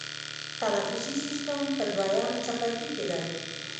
تنفسي سیستم په دویم څپرکي کې دی.